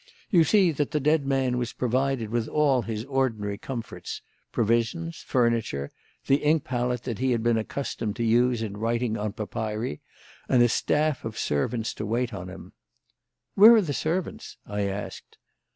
You see that the dead man was provided with all his ordinary comforts: provisions, furniture, the ink palette that he had been accustomed to use in writing on papyri, and a staff of servants to wait on him." "Where are the servants?" I asked.